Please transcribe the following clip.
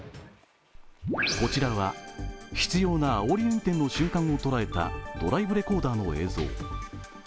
こちらは執ようなあおり運転の瞬間を捉えたドライブレコーダーの映像。